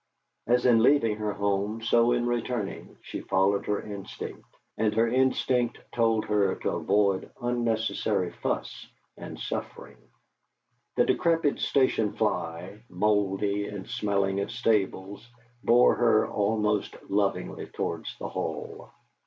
As in leaving her home, so in returning, she followed her instinct, and her instinct told her to avoid unnecessary fuss and suffering. The decrepit station fly, mouldy and smelling of stables, bore her almost lovingly towards the Hall.